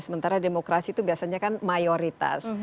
sementara demokrasi itu biasanya kan mayoritas